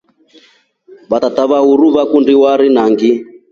Watata wa uruu vakundi warii naqi.